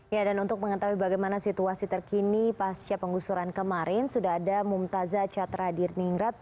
ya dan untuk mengetahui bagaimana situasi terkini pasca penggusuran kemarin sudah ada mumtazah catra dirningrat